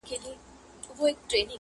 لا به دي غوغا د حسن پورته سي کشمیره,